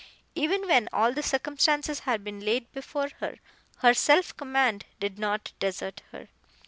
Even when all the circumstances had been laid before her, her self command did not desert her.